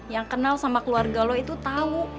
yang kenal sama keluarga lo itu tahu